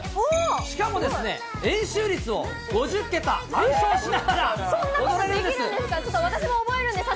しかもですね、円周率を５０桁暗唱しながら踊れるんです。